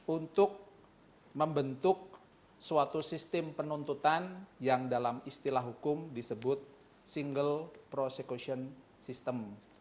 untuk membentuk suatu sistem penuntutan yang dalam istilah hukum disebut single prosecution system